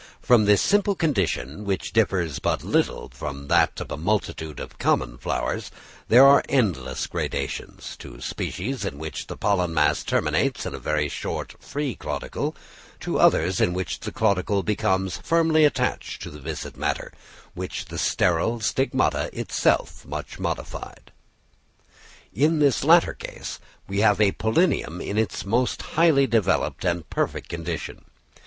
From this simple condition, which differs but little from that of a multitude of common flowers, there are endless gradations—to species in which the pollen mass terminates in a very short, free caudicle—to others in which the caudicle becomes firmly attached to the viscid matter, with the sterile stigma itself much modified. In this latter case we have a pollinium in its most highly developed and perfect condition.